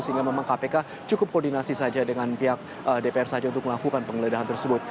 sehingga memang kpk cukup koordinasi saja dengan pihak dpr saja untuk melakukan penggeledahan tersebut